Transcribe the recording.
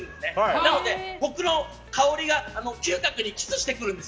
なので、香りが嗅覚にキスしてくるんです。